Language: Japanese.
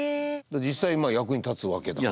実際役に立つわけだから。